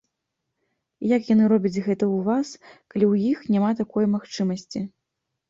Як яны робяць гэта ў вас, калі ў іх няма такой магчымасці?